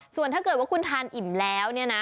ส่วนถ้าเกิดว่าคุณทานอิ่มแล้วเนี่ยนะ